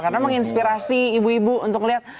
karena menginspirasi ibu ibu untuk melihat